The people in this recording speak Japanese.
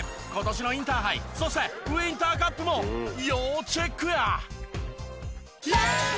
今年のインターハイそしてウインターカップも要チェックや！